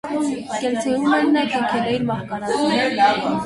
Կելցեում էլ նա կնքել է իր մահկանացուն։